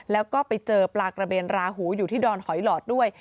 แล้วก็ไปเจอปลากระเบนราหูอยู่ที่ดอนหอยหลอดด้วย